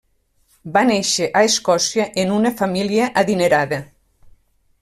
Va néixer a Escòcia en una família adinerada.